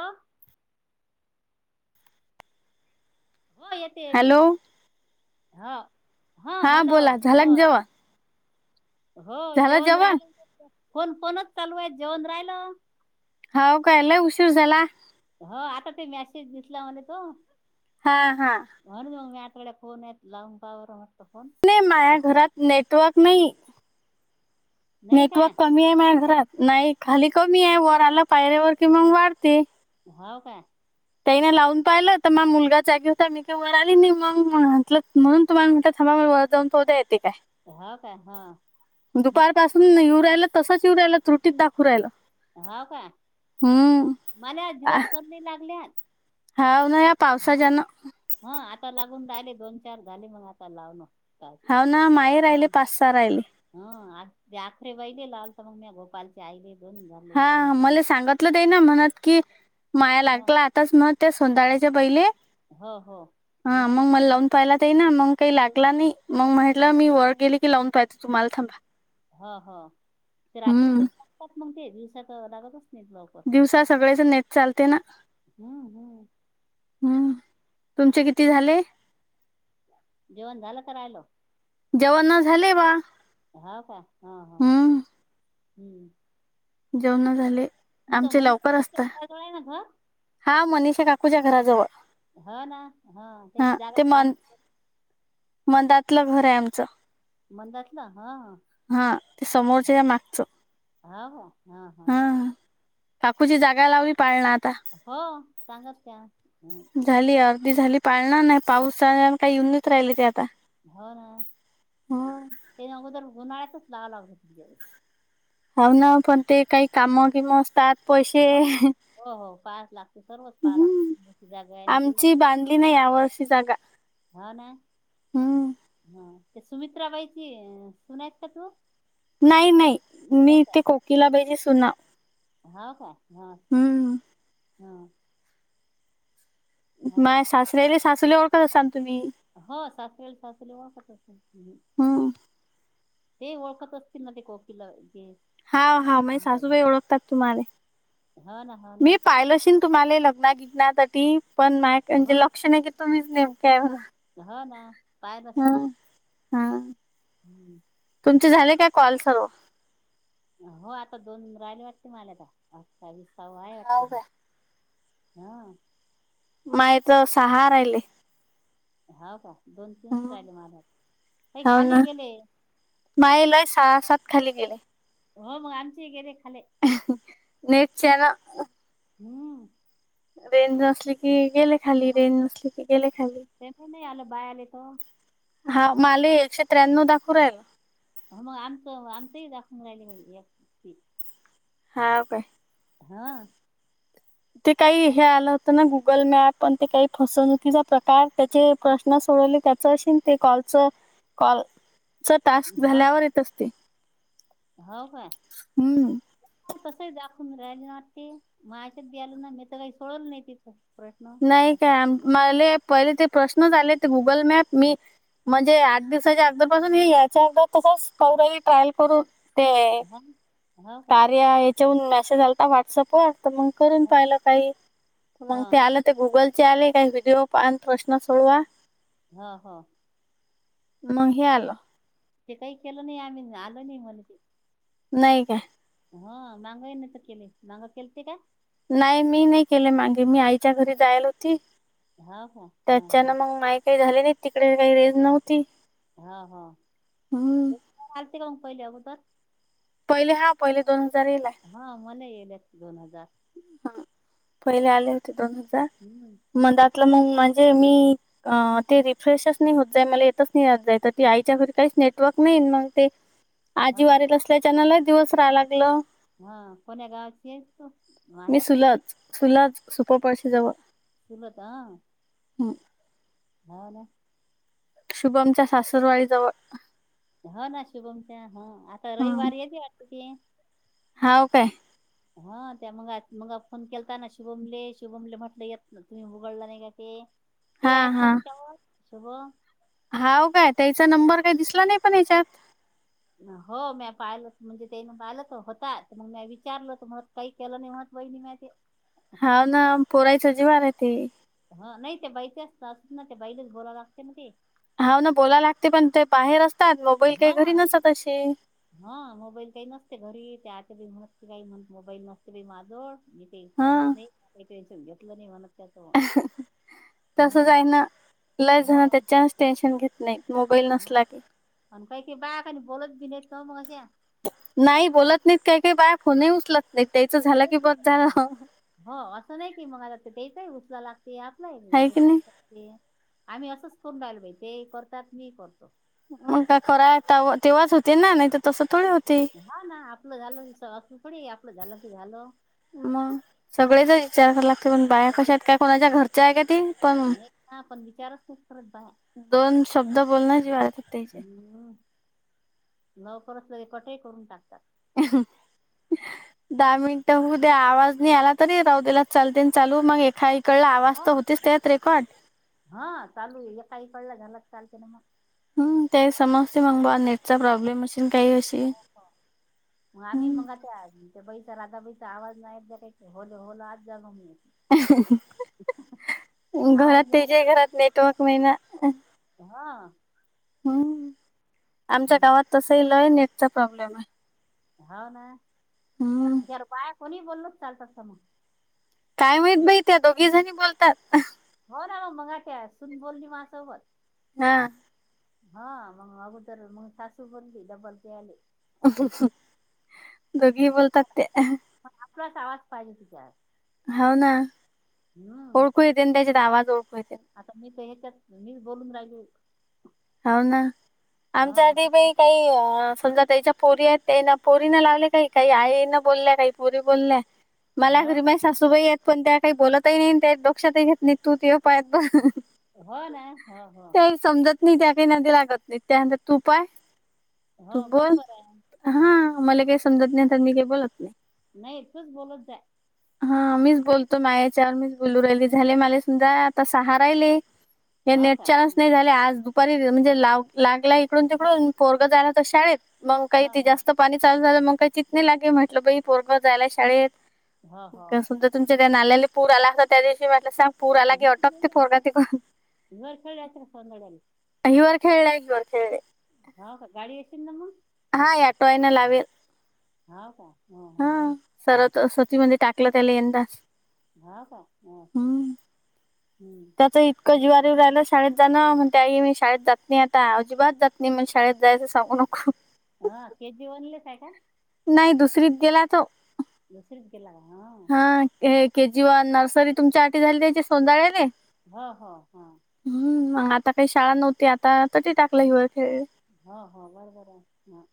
हा [unintelligible] हो येते येते हॅलो हा हा हॅलो बोला झाला हो. का जेवण हो जेवण राहिलं फोन फोनच चालू आहे जेवण राहिलं. होव काय, लई ऊशिर झाला? हो आता ते मॅसेज दिसला मला तो. हा हा. म्हण मग आठ वडे फोन येत ला बावर मटत फोन [unintelligible] नाही माया घरात नेटवर्क नाही. नाही का नेटवर्क कमी आहे माझ्या घरात. नाही खाली कमी आहे वर आलं पायऱ्यावर की मग वाढते. हो काय? त्याईने लावून पाहिलं तर मग मुलगा जागे होता मीे वली नाही मग म्हटलं म्हण [unintelligible] तुम्हाला म्हंटल थांबा वर जाऊन [unintelligible] येते काय. हा काय हा. मग दुपारपासून येऊ राहियला तसच येऊ रायला त्रुटीत दाखव रायला. हा काय मला आज आ, दिवसभर नाही लागलेत हाव ना. हा. पावसाच्यानं हा आता लागून राहिले दोन चार झाले मग आता लावणं. पाहिजे हा ना माय राहिले पाच सहा राहिले. हं आज ते अखरे वहिले लावलत मग गोपाळचे आईले दोन [unintelligible] हा मला सांगितलं तेन म्हणत कि माया हो लागलात. तसं मग तसं [unintelligible] हो हो हं हा मग मला लावून पाहिला ताई ना मग काही लागला नाही. मग म्हटलं मी वर गेली की लावून पाहते तुम्हाला थांबा. ह ह ते रात्री [unintelligible] हम्म. लागतात मग ते दिवसाक लागतच नाहीत मग. दिवसा सगळेच नेट चालते ना? हम्म हम्म. हम्म तुमचे किती झाले? जेवण झालं का राहिलं? जेवणा झाले बा. हाव का हा हा हम्म. हम्म. जेवण झाले. म आमचे लवकर असत आहे ना का [unintelligible] हा मनषा काकूच्या घराजवळ. ह ना ह तेच जाग पाणी [unintelligible] मदातलं घर आहे आमचं. मंदातला हा. हा ते समोरच्या या मागचं हा. काकूची जागा लावली पाळणा आता. हो सांगत त्या [unintelligible] झाली अर्दी झाली पाळणार नाही पाऊस झा काही येऊनच राहिले ते आता. हो ना ते अगोदर उन्हाळ्यातच लावं लागत. [unintelligible] हो ना पण ते काही काम किम असतात पैसे हो. हो हो पाहा लागते सर्वच पाहा हम्म. लागते जागा ती. आमची बांधली नाही यावर्षी अशी जागा हा ना. हम्म. हा ते सुमित्राबाईची सुनाय का तू? नाही नाही मी नाही का? तेे कोकला पाहिजे सुना हा का हा स हम्म. हा माय सासरेले सासूले ओळखत असान तुम्ही. हो सासऱ्याला सासले वाटत असा तुम्ही. हम्म. ते ओळखत असतील ना ते कोकीला ते. हा हा माझे आमच्या सासूबाई घरी ओळखतात तुम्हाे हो ना हो ना मी पाहिलं शि तुम्हाला लग्न बिगनासाठी पण नाही हो म्हणजे लक्ष नाही की तुम्हीच नेमक हो ना. पाय हा नशील ना हा. हम्म [inaudible] [unintelligible] तुमचे झाले काय कॉल सर्व? हो आता दोन राहिले वाटते मला तर अठ्ठावीस काय आहे वाटते हाव हा. काय. हा. माय तर सहा राहिले. हाव का दोन-तीनच राहिले हो मला काही खाली गेले. मायलाय सहा सात खाली दिले. हो मग आमचे गेले खाले. नेच्यानं हम्. रेंज नसली की गेले खाली रेंज नसली की गेले खाली. टॅम्पू नाही आलं बाळ आले तर. हा माले एकशे त्र्याण्णव दाखव राहील मग आमचं आमचंही दाखवून राहिलं मा एक ती. हा काय? हा. ते काही हे आलं होतं ना गुगल मॅप पण ते काही फसवणुकीचा प्रकार त्याचे प्रश्न सोडवले त्याचा अशीन ते कॉलचा कॉल च टास्क झाल्यावर येत असते. हाव काय? हम्म तसंही दाखवून राहिले ना ते मच्यात गेल ना मी तर काही कळवलं नाही तिथं [unintelligible] नाही काय बाकीचे मले पहिले ते प्रश्नच आले गुगल मॅप मी म्हणजे आठ दिवसाच्या आधी पासून हे याच्या अर्धा कॉल तास ट्रायल करून ते हा हो का कार्य आहे चा वरून मेसेज आलता व्हॉट्सअप वर तर मग करून हो पाहिलं काही तर हो मग. ते आलं ते गुगल चे आले का व्हिडिओ पहा प्रश्न सोडवा हा हा. मग हे आल. ते काही केलं नाही आम्ही आल नाही मला ते नाही काय? हा मांगाई नाही तर केले मांगा केल ते का? नाही मी नाही केले मागे मी आईच्या घरी जायला होती हो का हा त्याच्यान मग माही काही झाले नाही तिकडे काही रेज नव्हती. हाहा हम्म. दोन हजार आलतिका [unintelligible] पाहिलं अगोदर पहिले हा पहिले दोन हजार येला. हा मला येलेत दोन हजार. हा पहिले आले होते दोन हजार. हम्म. मग त्यातलं मग म्हणजे मी अ ते रिफ्रेशच नाही होत जा मला येतच नाही यात तर ती आईच्या घरी काही नेटवर्क नाही मग ते [inaudible] आजी वारीेत असल्याच्यानला दिवस रहा लागलं. हा कोण्या गावाची आहेस तू? मी माहेर सुलाच सुलाच सुपरपडशीजवळ चुलत हा. हम. हा ना. शुभमच्या सासुरवाडी जवळ. ह ना शुभमच्या हा आता हम्म रविवार येते वाटते ते? हाव काय? ह त्या मग मघा फोन केलता ना शुभमले शुभमले म्हटलं येत ना तुम्ही उघडला नाही का ते [unintelligible] ते हा आहेत ना हा तिच्यावर शुभम. हाव काय त्याचा नंबर काही दिसला नाही पण याच्यात हो म पाहिल म्हणजे त्यांनी पाहिलं तर होता मग म विचारल तर मग [unintelligible] काही केलं नाही म्हणतं बहिणी म्या ते हाव ना बोलायचं जीवावर येते. हा नाही ते बाईच्याच ना ते बाईलाच बोलाव लागते ना ते. हा ना बोलाय लागते पण ते बाहेर असतात मोबाईल काही हा घरी नसत असे हा मोबाईल काही नसते घरी ते आत्या बाई म्हणतते काही म्हणे मोबाईल नसते बाई माझ्याजवळ मी ते हा करत नाही काही टेन्शन घेतलं नाही म्हणत त्याच तसच हा हाय ना लय हा जण त्याच्यात टेन्शन घेत नाही मोबाईल हा नसला की. आणि काही की बाया काणि बोलत बी नाहीत ना मह्याशा नाही बोलत नाहीत काही काही बाया फोनही उचलत नाहीत त्यायच झालं की बर झालं हो असं नाही की मग आता तेच उचला लागते आपला आहे की नाही उचलता ते आम्ही असंच करून राहिलो बाई ते करतात मी करतो. मग का करंता तेव्हाच होते ना नाही तर तसं थोडी होते? हा ना आपलं झालं अस थोडी आहे आपलं झालं ते झालं. मग? सगळेच विचारायला लागते पण बाया कशात सगळं- काय कोणाच्या घरच आहे का ते पण विचाराच कुठपर्यंत हाय. दोन शब्द बोल ना जीव्हारी हम्म. लवकरच लगे कटही करून टाकतात. दहा मिनिटं होवू द्या आवाज. नाही आला तरी राहू दे, चालतंय चालू मग [unintelligible] रेकॉर्ड. हां चालू ये एका एककडला, झाल तर‌ चालत ना मग. हम ते समजते मग बा, नेटचा प्रॉब्लेम असेन काही असेन. हो का? मग आम्ही मघाशी आली. त्या बाईचा राधाबाईचा आवाज नाही, एकदा काही होले हो लावत जा मग. घरात आवाज नाही आला तेच्या घरात नेटवर्क नई ना. हं.. हम्म. आमच्या गावात तसही लई नेटचा प्रॉब्लेम हाय. हौव ना, हम्म जर बाया कोणी बोल चालतं का मग. काय माहीत बाई त्या दोघीजणी बोलतात. हो ना मग त्या, सुन बोलली माया सोबत. हा. हा मग अगोदर मगं, सासू बोलली डब्बल ते आले. दोघी ही, बोलतात ते. पन आपलाच आवाज पाहिजे तिच्यात. हाव ना. ओळखू येते ना त्याच्यात आवाज ओळखू येतेन. आता मी तर हेच्यात, मी बोलून राहिलो. हाव ना. हा आमच्या आधी बई काही समजा त्याच्या पोरी आहेत त्या, ना पोरीन लावले काही काही आईनं बोलल्या काही पोरी बोलल्या. [inaudible] मला अ घरी का माई सासूबाई येत पण त्या काही बोलतही नाही, त्या दोक्षातही घेत नाही तू तुय पायत बस. हो ना, हो हो. त्या समजत नई त्या काही नांदी लागत नाहीत, त्या म्हणत्यात तू पाय. हो तू बोल बरोबर आहे हा हां. मले काय समजत नाही, तर मी काय बोलत नाही. नाही तूच बोलत जाय. हा मीच बोलतो मायाच्यावर मीच, बोलून राहिली झाले माले समजा. आता सहा राहिले. हे हो का नेट [inaudible] राहिले आज दु म्हणजे लाव लागला इकडून तिकडून, पोरग झाला तर शाळेत मग काही हा ती हा जास्त. पाणी चालू झाला मग काही चित नाही लागे, म्हटलं बाई पोरगा जायला शाळेत हो हो कसं तर. तुमच्या त्या नाल्याले पूर आला असता, त्या दिवशी म्हटल सांग वर पूर आला की अटकते खेळले असते पोरग तिकून. [unintelligible] [unintelligible] हाव काय? गाडी येशीन ना मग? हा याटो येना लावेल. हाव का, ह ह.. हा सरत सतीमध्ये, टाकलं त्याले यंदा. हा का, मग असल हम्म. इतक जीवावर येऊ ऱ्हायल शाळेत जाणं म्हणते, आई मी शाळेत जात नाही आता, अजिबात जात नाही मग शाळेत जायचं सांगू नको. हं.. के जीवनलेच हाय काय. नाही दुसरीत गेला तो. दुसरीत गेला हा? हा हे के जीवान नर्सरी तुमच्या, आटी झाली त्याची सोनद्याळ्याले. हां हां हां. हम्म, मग आता काही शाळा नव्हती आता तटे टाकलं हिवखेळ हो हो, बर बर ये हां..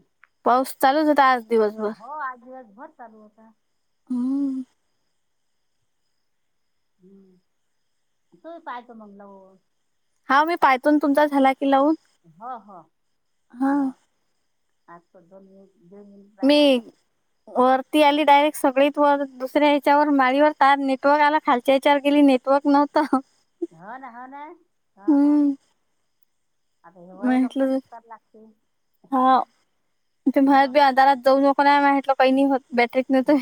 हो पाऊस चालू होता आज दिवसभर. हो आज दिवसभर चालू होता. हम्म. हम्म तू पाहायच मग नव हा मी पायथून तुमचा झाला की लावून. हो हो हा आ दोन मिन मिनिटं. मी. वरती आली डायरेक्ट सगळीत वर दुसऱ्या याच्यावर माळीवर तार नेटवर्क आला खालच्या हयाच्यावर गेली नेट तो क नव्हता ह ना ह ना हा हा.. आता हे वयाला म्हटलं कष्ट करायला लागत हा जरा जाऊन को माटलं काही नाही होत बॅटरी [unintelligible] हा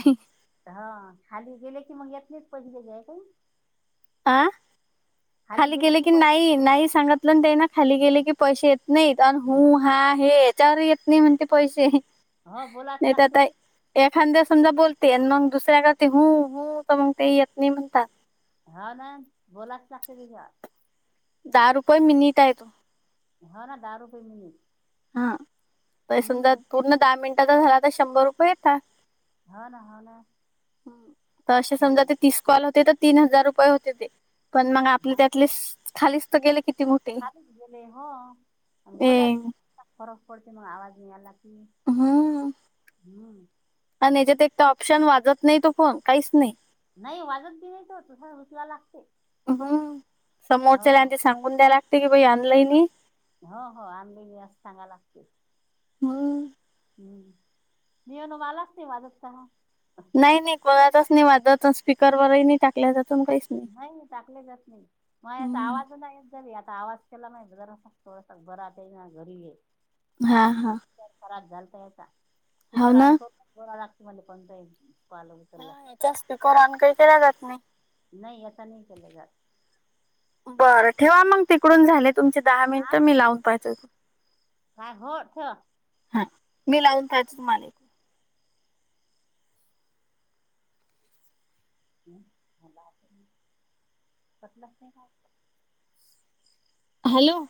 हा खाली गेले की मग येत नाहीत पहिले जे आहे काही. अ खाली गेले केले की पैसे नाही देतात. नाही सांगत. ते ना खाली गेले की पैसे येत नाहीत आणि हु हा हे याच्यावर येत नाही म्हणते पैसे. हो बोलाच नाही तर लागते आता ते एखाद्या समजा बोलते मग दुसऱ्याकती हुं हुं तर मग ते येत नाही म्हणतात. हा ना बोलाच लागत की ग. दहा रुपये मिनिट हाय ते. हा ना दहा रुपये मिलीत हा तर समजा पूर्ण दहा मिनिटाचा झाला तर शंभर रुपये येतात. ह ना ह ना तर असे समजा हम्म ते तीस कॉल होते तर तीन हजार रुपये होते ते. पण मग आपले त्यातले खालीच तर गेले किती मोठे खाली गेले हो ए बोलात फरक पडते मग आवाज मिळायला की. हम्म हम्म.. आणि याच्यात एक ऑप्शन वाजत नाही तो फोन काहीच नाही. नाही वाजत ब नाही त तसा उचला लागते. हम्म हो समोरच्या हो आणि ते सांगून द्याय लागते की बाई आणलंय नाही. हो हो आंबिनीज सांगाय लागते. मग हम्म न ये न वाला असत वाजत तेव्हा. नाही नाही कोणाचच नाही वाजत स्पीकरवरही नाही टाकल्या जातून काहीच नाही. नाही नाही टाकलेचच नाही मग हम्म. आवाज आता आवाज केला नव्हता जरा थोडासा बरा आहे ना घरी आहे. हा हा स्पीकर खराब झाल नाही का हाव स्पीकर ना. आणलो [unintelligible] मला पण पाहिजे पालं उचलाय लागत. जास्ती कोरान कइ केल्या जात नाही. नाही आता नाही केले बरं ठेवा मग तिकडून झाले, तुमचे दहा मिनिट मी लावून पाहिते. काय होय ठेवा. हा मी लावून पायच माल [unintelligible] लगते काय? हॅलो..